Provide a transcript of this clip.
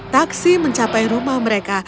taksi mencapai rumahnya